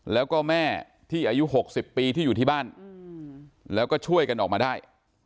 แล้วก็แม่ที่อายุ๖๐ปีที่อยู่ที่บ้านแล้วก็ช่วยกันออกมาได้